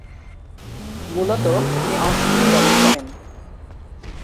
মূলতঃ তিনি off-spin bowling করেন।